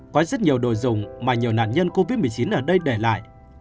có rất nhiều đồ dùng mà nhiều nạn nhân covid một mươi chín ở đây để lại